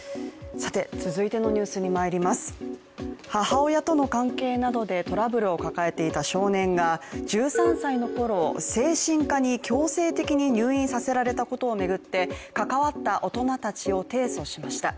母親との関係などでトラブルを抱えていた少年が１３歳のころ、精神科に強制的に入院させられたことを巡って、関わった大人たちを提訴しました。